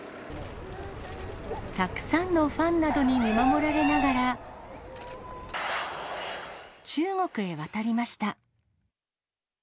たくさんのファンなどに見守られながら、中国へ渡りました。